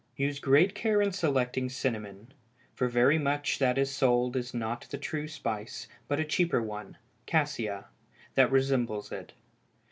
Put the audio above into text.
Use great care in selecting cinnamon, for very much that is sold is not the true spice, but a cheaper one (cassia) that resembles it.